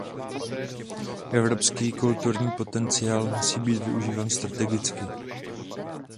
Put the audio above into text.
Evropský kulturní potenciál musí být využíván strategicky.